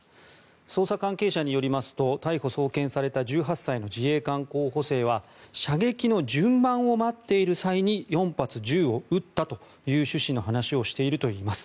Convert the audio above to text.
捜査関係者によりますと逮捕・送検された１８歳の自衛官候補生は射撃の順番を待っている際に４発銃を撃ったという趣旨の話をしているといいます。